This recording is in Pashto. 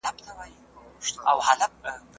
هر څوک چی له ښاره دباندي وي کوچی نه دی.